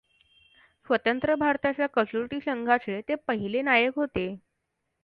स्वतंत्र भारताच्या कसोटी संघाचे ते पहिले नायक होते.